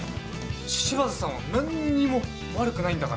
柴田さんは何にも悪くないんだから。